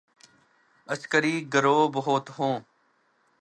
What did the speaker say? عسکری گروہ بہت ہوں۔